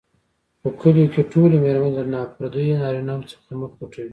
په کلیو کې ټولې مېرمنې له نا پردیو نارینوو څخه مخ پټوي.